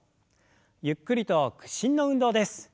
ゆっくりと屈伸の運動です。